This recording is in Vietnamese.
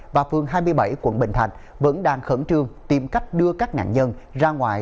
và phương hai mươi bảy quận bình thành vẫn đang khẩn trương tìm cách đưa các nạn nhân ra ngoài